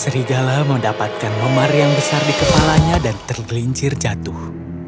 serigala mendapatkan memar yang besar di kepalanya dan tergelincir jatuh